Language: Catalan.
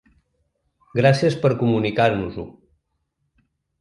Gràcies per comunicar-nos-ho.